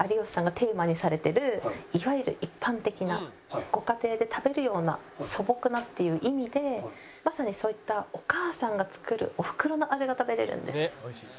いわゆる一般的なご家庭で食べるような素朴なっていう意味でまさにそういったお母さんが作るおふくろの味が食べられるんです。